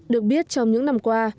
được biết trong những năm qua